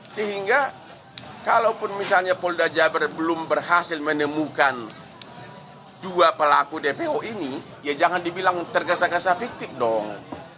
sehingga kalaupun misalnya polda jabar belum berhasil menemukan dua pelaku dpo ini ya jangan dibilang tergesa gesa fiktif dong